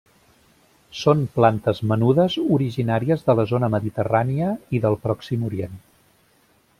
Són plantes menudes, originàries de la zona mediterrània i del Pròxim Orient.